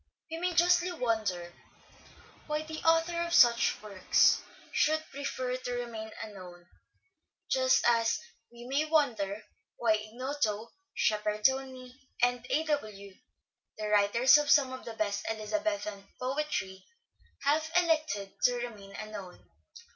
\\7e may justly wonder why the author of such THE STRATFORDIAN VIEW 65 works should prefer to remain unknown, just as we may wonder why " Ignoto," "Shepherd Tony" and "A. W.", the writers of some of the best Elizabethan poetry have elected to remain unknown.